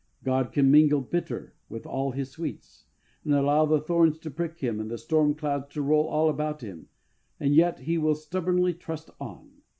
God can mingle bitter with all His sweets, and allow the thorns to prick him, and the storm clouds to roll all about him, and yet he will stubbornly trust on.